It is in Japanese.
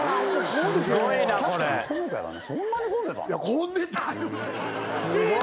混んでた言うて。